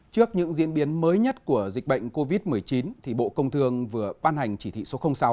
trước những diễn biến mới nhất của dịch bệnh covid một mươi chín bộ công thương vừa ban hành chỉ thị số sáu